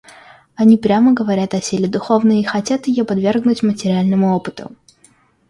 Они прямо говорят о силе духовной и хотят ее подвергнуть материальному опыту.